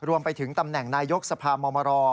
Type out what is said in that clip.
รวมไปถึงตำแหน่งนายกสภามร